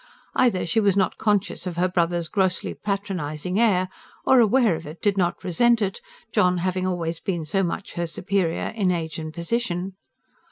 Either she was not conscious of her brother's grossly patronising air, or, aware of it, did not resent it, John having always been so much her superior in age and position.